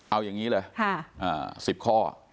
เอาอย่างนี้เลย๑๐ข้อ